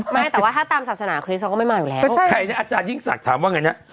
ไม่แต่ว่าถ้าตามศาสนาคริสเขาก็ไม่มาอยู่แล้วใครเนี่ยอาจารยิ่งศักดิ์ถามว่าไงนะ